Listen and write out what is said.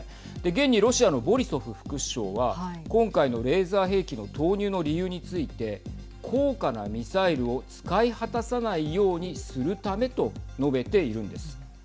現にロシアのボリソフ副首相は、今回のレーザー兵器の投入の理由について高価なミサイルを使い果たさないようにするためと述べているんです。